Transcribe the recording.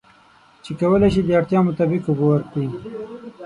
چې کولی شي د اړتیا مطابق اوبه ورکړي.